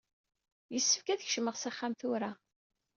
Yessefk ad kecmeɣ s axxam tura.